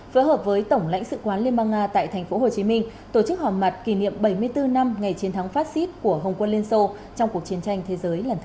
phở hợp với tổng lãnh sự quán liên bang nga tại tp hcm tổ chức hòa mặt kỷ niệm bảy mươi bốn năm ngày chiến thắng phát xít của hồng quân liên xô trong cuộc chiến tranh thế giới lần thứ hai